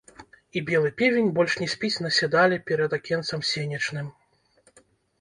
І белы певень больш не спіць на седале перад акенцам сенечным?